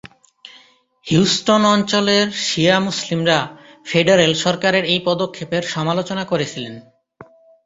Houston অঞ্চলের শিয়া মুসলিমরা federal সরকারের এই পদক্ষেপের সমালোচনা করেছিলেন।